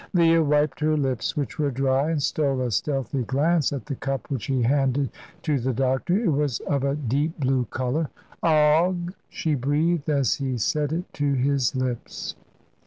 Leah wiped her lips, which were dry, and stole a stealthy glance at the cup which he handed to the doctor. It was of a deep blue colour. "Augh!" she breathed, as he set it to his lips.